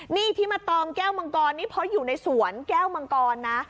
นี่ที่มาตองแก้วมังกรนี่เพราะอยู่ในสวนแก้วมังกรนะ